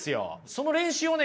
その練習をね